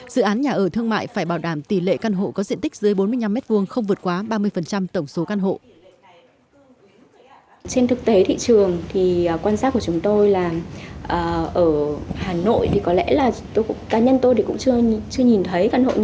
dự án nhà ở thương mại phải bảo đảm tỷ lệ căn hộ có diện tích dưới bốn mươi năm m hai không vượt quá ba mươi tổng số căn hộ